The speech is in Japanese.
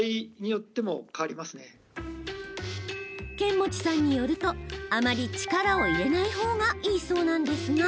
釼持さんによるとあまり力を入れないほうがいいそうなんですが。